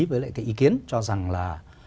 với lại cái ý kiến cho rằng là